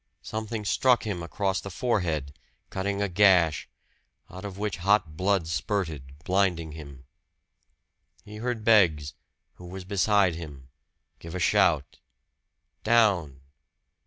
Something struck him across the forehead, cutting a gash, out of which hot blood spurted, blinding him. He heard Beggs, who was beside him, give a shout "Down!"